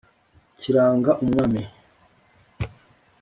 kiranga umwami